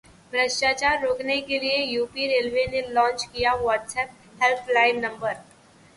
भ्रष्टाचार रोकने के लिए यूपी रेलवे ने लॉन्च किया वाट्सएप हेल्प लाइन नंबर